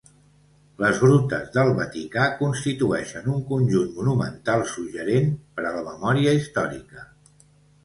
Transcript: Les grutes del Vaticà constitueixen un conjunt monumental suggerent per a la memòria històrica.